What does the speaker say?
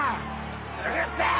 うるせぇ！